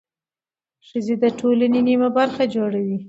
ښځې د ټولنې نیمه برخه جوړوي.